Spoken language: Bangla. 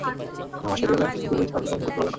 আঠার মাস কেটে গেল কিন্তু পরিখা অতিক্রম করতে পারল না।